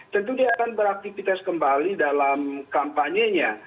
tentu dia akan beraktivitas kembali dalam kampanyenya